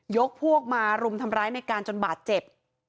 พวกมารุมทำร้ายในการจนบาดเจ็บ